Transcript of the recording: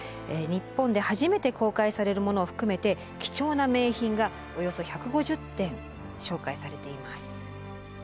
日本で初めて公開されるものを含めて貴重な名品がおよそ１５０点紹介されています。